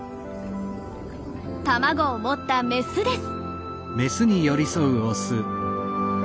卵を持ったメスです。